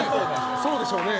そうでしょうね。